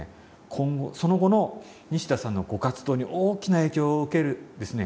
今後その後の西田さんのご活動に大きな影響を受けるですね